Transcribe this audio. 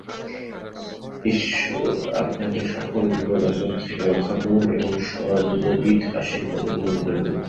ঈশ্বর আপনাকে সকল বিপদ আপদ থেকে রক্ষা করুন এবং সর্ববিধ আশীর্বাদে মণ্ডিত করুন।